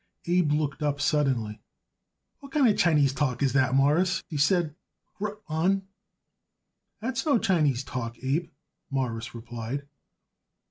Abe looked up suddenly. "What kind of Chinese talk is that, Mawruss?" he said. "Rutt honn?" "That's no Chinese talk, Abe," Morris replied.